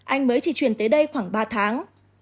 anh mới chỉ chuyển tới đây khoảng ba tháng